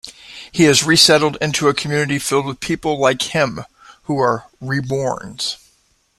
He is resettled into a community filled with people like him who are "reborns".